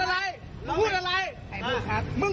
ใครนะครับมึง